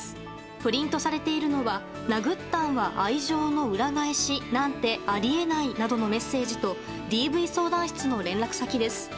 プリントされているのは「殴ったんは愛情の裏返し。なんてあり得ない。」などのメッセージとＤＶ相談室の連絡先です。